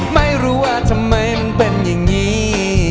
ไม่รู้ว่าทำไมมันเป็นอย่างนี้